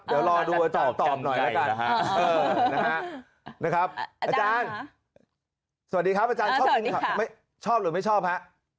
เดี๋ยวรอดูตอบหน่อยละกันอาจารย์สวัสดีครับอาจารย์ชอบหรือไม่ชอบฮะ